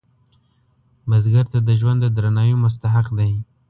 بزګر ته د ژوند د درناوي مستحق دی